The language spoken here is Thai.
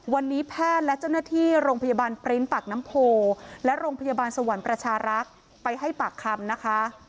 วันนี้แพทย์และเจ้าหน้าที่โรงพยาบาลปริ้นต์ปากน้ำโพและโรงพยาบาลสวรรค์ประชารักษ์ไปให้ปากคำนะคะ